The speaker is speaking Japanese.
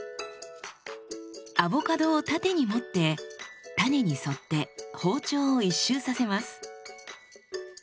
アボカドを縦に持って種に沿って包丁を一周させます。